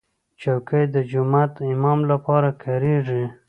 چوکۍ د جومات امام لپاره کارېږي.